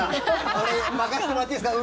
俺、任せてもらっていいですか？